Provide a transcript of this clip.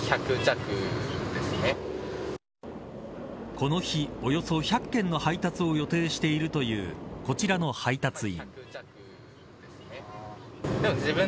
この日およそ１００件の配達を予定しているというこちらの配達員。